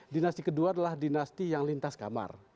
dinasti kedua adalah dinasti yang lintas kamar